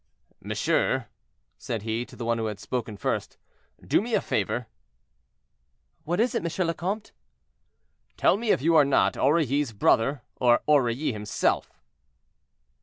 "Monsieur," said he, to the one who had spoken first, "do me a favor?" "What is it, M. le Comte?" "Tell me if you are not Aurilly's brother, or Aurilly himself?"